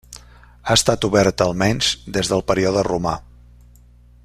Ha estat oberta almenys des del període romà.